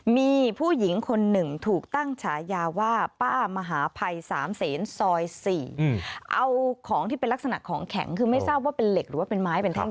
มีผู้หญิงคนหนึ่งถูกตั้งฉายาว่าป้ามหาภัย๓เสนซอย๔